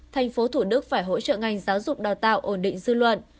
thành phố thủ đức phải hỗ trợ ngành giáo dục đào tạo ổn định dư luận